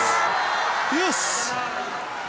よし！